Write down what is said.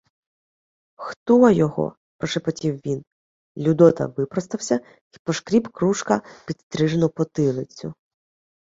— Хто його? — прошепотів він. Людота випростався й пошкріб кружка підстрижену потилицю.